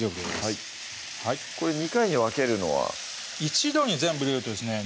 はいこれ２回に分けるのは一度に全部入れるとですね